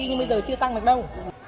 nhưng bây giờ chưa tăng được đâu